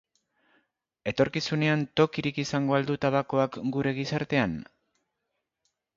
Etorkizunean tokirik izango al du tabakoak gure gizartean?